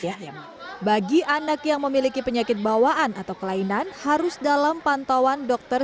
ya bagi anak yang memiliki penyakit bawaan atau kelainan harus dalam pantauan dokter